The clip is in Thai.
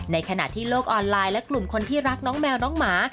ในขณะที่โลกออนไลน์และกลุ่มคนที่รักน้องแมวน้องหมา